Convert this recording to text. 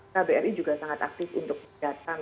kbri juga sangat aktif untuk datang